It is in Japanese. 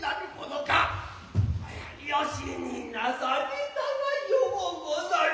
よしになされたがよう御座る。